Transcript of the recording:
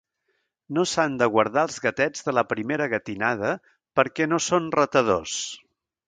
No s'han de guardar els gatets de la primera gatinada, perquè no són ratadors.